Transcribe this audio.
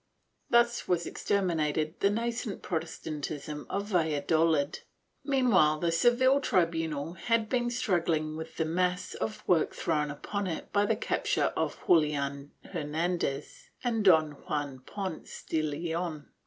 ^ Thus was exterminated the nascent Protestantism of Valla dolid. Meanwhile the Seville tribunal had been struggling with the mass of work thrown upon it by the capture of Julian Hernan dez and Don Juan Ponce de Leon.